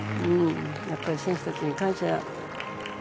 やっぱり選手たちに感謝。